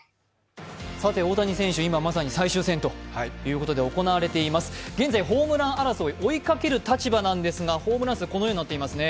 大谷選手、今まさに最終戦ということで行われています、現在、ホームラン王争い、追いかける立場なんですがホームラン数、このようになっていますね。